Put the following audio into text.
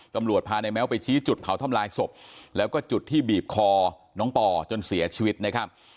ตำรวจพานายแม้วไปชี้จุดเผาทำลายศพแล้วก็จุดที่บีบคอน้องปอจนเสียชีวิตนะครับ